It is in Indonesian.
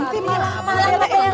gimana sih itu ya sih